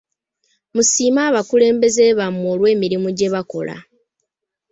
Musiime abakulembeze bamwe olw'emirimu gye bakola.